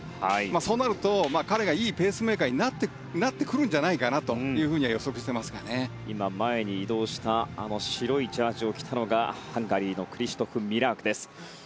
そうなると、彼がいいペースメーカーになってくるんじゃないかなと前に移動した白いジャージを着たのがハンガリーのクリシュトフ・ミラークです。